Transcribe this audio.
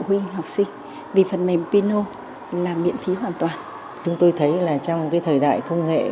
huynh học sinh vì phần mềm pinho là miễn phí hoàn toàn chúng tôi thấy là trong cái thời đại công nghệ